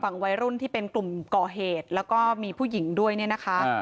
วัยรุ่นที่เป็นกลุ่มก่อเหตุแล้วก็มีผู้หญิงด้วยเนี่ยนะคะ